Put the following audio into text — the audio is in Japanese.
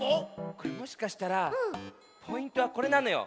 これもしかしたらポイントはこれなのよ。